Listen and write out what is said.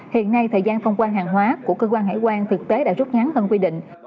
hiện nay thời gian thông quan hàng hóa của cơ quan hải quan thực tế đã rút ngắn hơn quy định